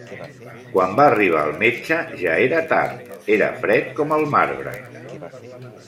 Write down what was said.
Quan va arribar el metge ja era tard: era fred com el marbre.